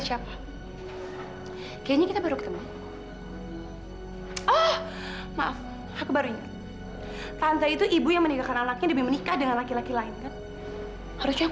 apa tante mau teriak kalau tante mau teriak silahkan teriak